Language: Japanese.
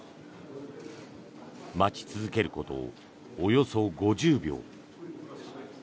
待ち続けることおよそ５０秒。